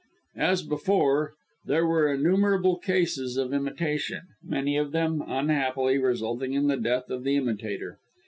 As before, there were innumerable cases of imitation, many of them, unhappily, resulting in the death of the imitator.